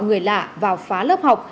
người lạ vào phá lớp học